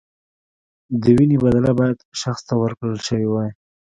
د وینې بدله باید شخص ته ورکړل شوې وای.